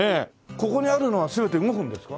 ここにあるのは全て動くんですか？